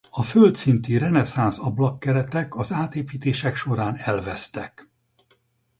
A földszinti reneszánsz ablakkeretek az átépítések során elvesztek.